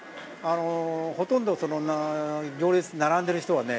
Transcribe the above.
ほとんど行列に並んでいる人はね